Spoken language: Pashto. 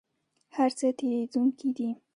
هر څه تیریدونکي دي